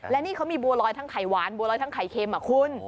และนี่เขามีบัวลอยทั้งไข่หวานบัวลอยทั้งไข่เค็มคุณ